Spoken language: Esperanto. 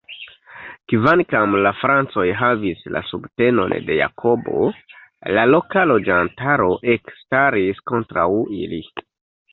Kvankam la Francoj havis la subtenon de Jakobo, la loka loĝantaro ekstaris kontraŭ ili.